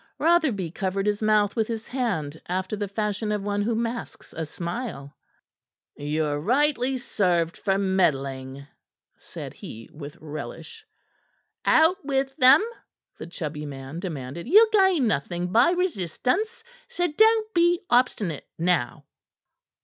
Rotherby covered his mouth with his hand, after the fashion of one who masks a smile. "Ye're rightly served for meddling," said he with relish. "Out with them," the chubby man demanded. "Ye'll gain nothing by resistance. So don't be obstinate, now."